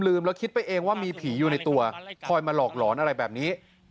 แล้วคิดไปเองว่ามีผีอยู่ในตัวคอยมาหลอกหลอนอะไรแบบนี้